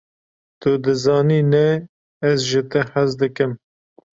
Tu dizanî ne, ez ji te hez dikim.